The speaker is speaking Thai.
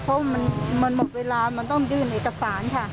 เพราะมันหมดเวลามันต้องยื่นเอกสารค่ะ